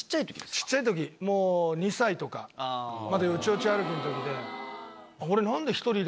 小っちゃいときもう２歳とかまだよちよち歩きのときで。